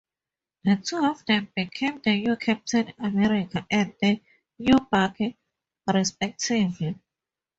The two of them became the new Captain America and the new Bucky, respectively.